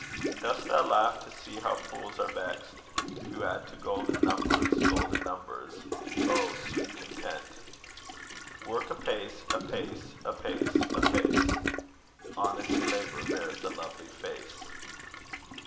Dost thou laugh to see how fools are vexed To add to golden numbers, golden numbers? Oh, sweet content! Work apace, apace, apace, apace; Honest labour bears a lovely face.